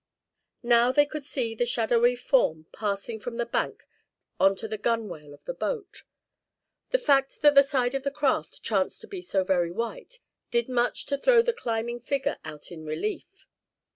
Now they could see the shadowy form passing from the bank on to the gunwale of the boat. The fact that the side of the craft chanced to be so very white did much to throw the climbing figure out in relief.